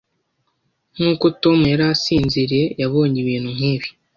Nkuko Tom yari asinziriye yabonye ibintu nkibi